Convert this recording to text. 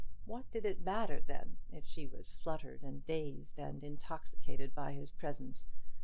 What did it matter, then, if she was fluttered and dazed and intoxicated by his presence?